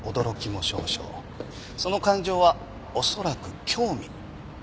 その感情は恐らく興味。